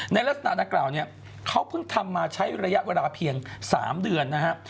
ในลักษณะดังกล่าวเนี่ยเขาเพิ่งทำมาใช้ระยะเวลาเพียง๓เดือนนะครับ